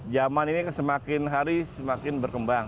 zaman ini semakin hari semakin berkembang